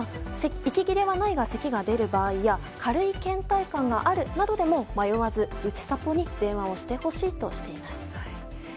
息切れはないがせきが出る場合や軽い倦怠感があるなどでも迷わずうちさぽに電話をしてほしいとしています。